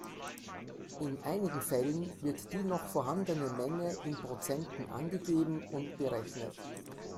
In einigen Fällen wird die noch vorhandene Menge in Prozenten angegeben und berechnet.